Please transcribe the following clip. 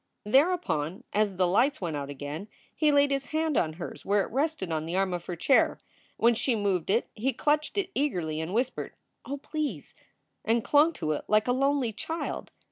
Thereupon, as the lights went out again, he laid his hand on hers where it rested on the arm of her chair. When she moved it he clutched it eagerly and whispered, "Oh, please!" and clung to it like a lonely child.